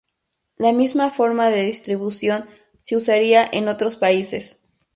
La misma forma de distribución se usaría en otros países.